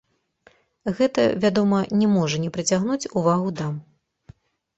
Гэта, вядома, не можа не прыцягнуць увагу дам.